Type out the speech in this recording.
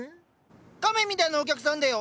亀みたいなお客さんだよ。